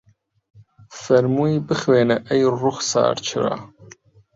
فەرمووی بخوێنە ئەی ڕوخسار چرا